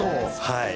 はい。